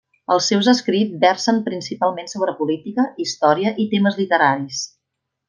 Els seus escrits versen principalment sobre política, història i temes literaris.